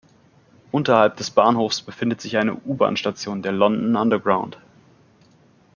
Unterhalb des Bahnhofs befindet sich eine U-Bahn-Station der London Underground.